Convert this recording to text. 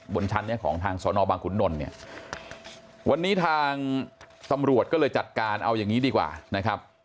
บนชั้นนี้ของทางสอนอบางขุนนลเนี่ยวันนี้ทางตำรวจก็เลยจัดการเอาอย่างนี้ดีกว่านะครับ